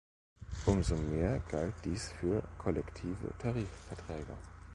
Umso mehr galt dies für kollektive Tarifverträge.